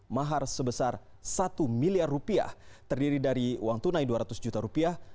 mahar sebesar satu miliar rupiah terdiri dari uang tunai dua ratus juta rupiah